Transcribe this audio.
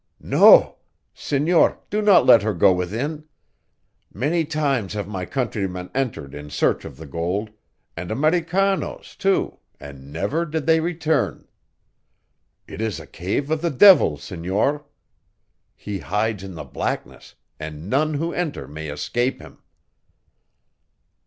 "No! Senor, do not let her go within! Many times have my countrymen entered in search of the gold, and americanos, too, and never did they return. It is a cave of the devil, senor. He hides in the blackness and none who enter may escape him."